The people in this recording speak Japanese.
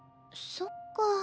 そっか。